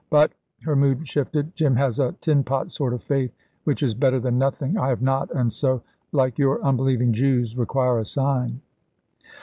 But," her mood shifted, "Jim has a tin pot sort of faith which is better than nothing. I have not, and so, like your unbelieving Jews, require a sign."